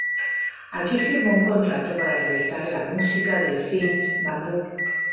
Aquí firmó un contrato para realizar la música del film "Bambú".